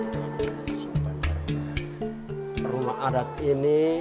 disini saya beruntung bisa melihat secara langsung keunikannya